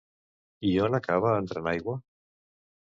I on acaba entrant aigua?